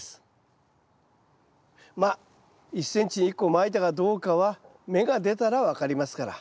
まあ１ｃｍに１個まいたかどうかは芽が出たら分かりますから。